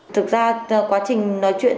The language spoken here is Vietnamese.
thực ra quá trình nói chuyện